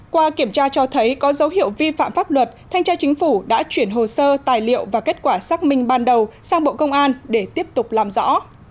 qua kiểm tra cho thấy có dấu hiệu vi phạm pháp luật thanh tra chính phủ đã chuyển hồ sơ tài liệu và kết quả xác minh ban đầu sang bộ công an để tiếp tục làm rõ